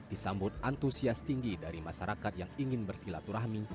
disambut antusias tinggi dari masyarakat yang ingin bersilaturahmi